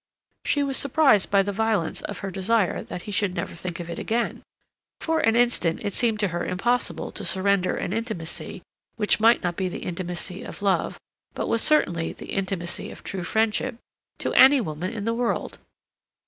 She was surprised by the violence of her desire that he never should think of it again. For an instant it seemed to her impossible to surrender an intimacy, which might not be the intimacy of love, but was certainly the intimacy of true friendship, to any woman in the world.